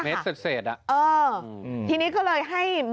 นิดเซ็ดเซธฮะเอออืมทีนี้ก็เลยให้หมอ